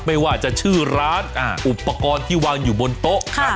ไม่ว่าจะชื่อร้านอุปกรณ์ที่วางอยู่บนโต๊ะ